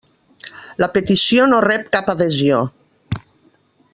La petició no rep cap adhesió.